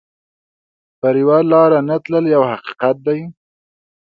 پر یوه لار نه تلل یو حقیقت دی.